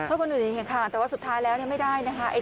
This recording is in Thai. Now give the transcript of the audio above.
ให้คนอื่นเห็นค่ะแต่ว่าสุดท้ายแล้วไม่ได้นะคะ